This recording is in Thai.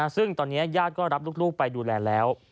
ซึ่งตอนนี้ญาติก็รับลูกไปดูแลแล้ว